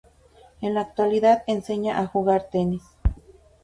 En la actualidad enseña a jugar tenis.